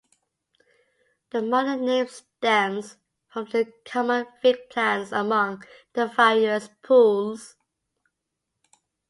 The modern name stems from the common fig plants among the various pools.